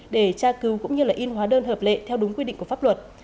để tra cứu cũng như in hóa đơn hợp lệ theo đúng quy định của pháp luật